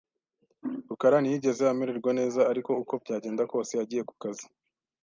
rukara ntiyigeze amererwa neza, ariko uko byagenda kose yagiye ku kazi .